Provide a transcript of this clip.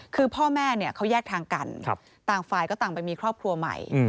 คือพ่อแม่เขาแยกทางกันต่างฝ่ายก็ต่างไปมีครอบครัวใหม่